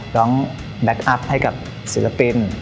แบ็คอัพให้กับศิลปิน